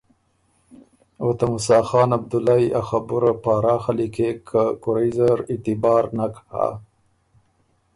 او ته موسیٰ خان عبدُالئ ا خبُره پاراخه لیکېک که کُورئ زر اعتبار نک هۀ